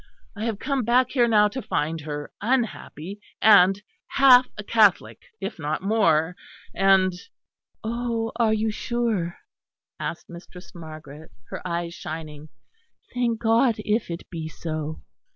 I have come back here now to find her unhappy and half a Catholic, if not more and " "Oh! are you sure?" asked Mistress Margaret, her eyes shining. "Thank God, if it be so!"